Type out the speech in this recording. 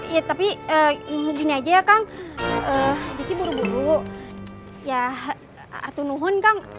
ya tapi gini aja ya kang cici buru buru ya atunuhun kang